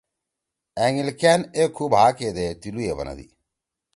أنگیِل کأن اے کُھو بھا کیدے تیِلُو ئے بنَدی۔